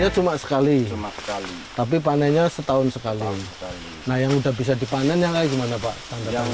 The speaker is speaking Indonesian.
cuma sekali tapi panenya setahun sekali nah yang udah bisa dipanen yang gimana pak yang